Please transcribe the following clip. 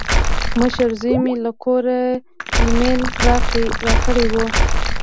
مشر زوی مې له کوره ایمیل راکړی و.